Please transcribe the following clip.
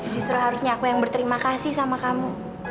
justru harusnya aku yang berterima kasih sama kamu